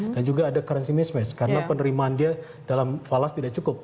dan juga ada currency mismatch karena penerimaan dia dalam falas tidak cukup